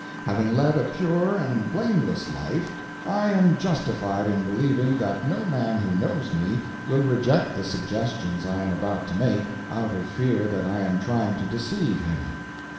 Having led a pure and blameless life, I am justified in believing that no man who knows me will reject the suggestions I am about to make, out of fear that I am trying to deceive him.